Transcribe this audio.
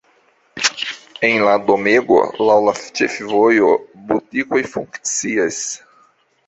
En la domego laŭ la ĉefvojo butikoj funkcias.